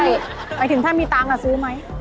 หมายถึงถ้ามีตังค์ซื้อไหม